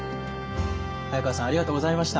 早川さんありがとうございました。